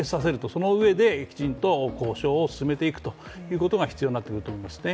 そのうえできちんと交渉を進めていくということが必要になってくると思いますね。